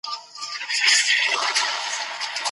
ولي زیارکښ کس د تکړه سړي په پرتله هدف ترلاسه کوي؟